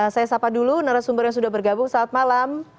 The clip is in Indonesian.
saya sapa dulu narasumber yang sudah bergabung saat malam